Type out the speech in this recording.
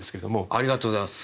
ありがとうございます。